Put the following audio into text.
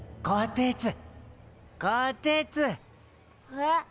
えっ？